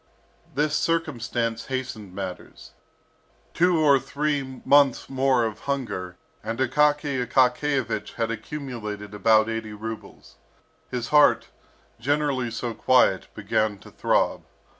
This circumstance hastened matters. Two or three months more of hunger and Akaky Akakiyevich had accumulated about eighty rubles. His heart, generally so quiet, began to throb.